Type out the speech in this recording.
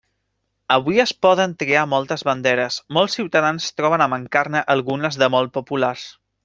Avui es poden triar moltes banderes, molts ciutadans troben a mancar-ne algunes de molt populars.